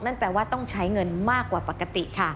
นั่นแปลว่าต้องใช้เงินมากกว่าปกติค่ะ